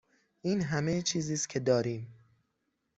این همه چیزی است که داریم.